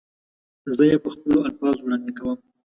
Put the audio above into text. زه یې په خپلو الفاظو وړاندې کوم.